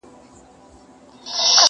• پښتانه چي له قلم سره اشنا کړو..